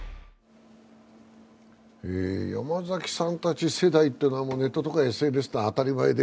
山崎さんたち世代というのは、ネットとかＳＮＳは当たり前で